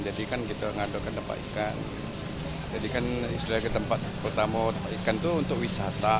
jadi kan istilahnya tempat bertamu ikan itu untuk wisata